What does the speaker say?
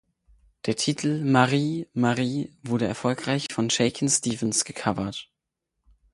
Der Titel "Marie, Marie" wurde erfolgreich von Shakin' Stevens gecovert.